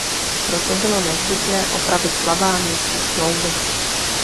Proto bylo nezbytné opravit slabá místa smlouvy.